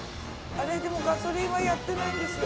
でもガソリンはやってないんですよ。